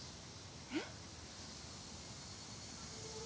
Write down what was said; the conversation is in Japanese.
えっ？